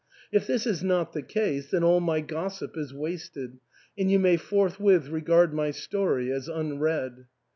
If this is not the case, then all my gossip is wasted, and you may forthwith regard my story as unread.